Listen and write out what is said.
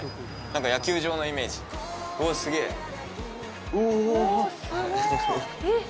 何か野球場のイメージおおすごえっ